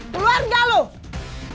keluar gak loh